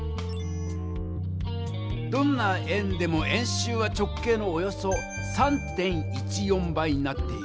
どんな円でも円周は直径のおよそ３．１４倍になっている。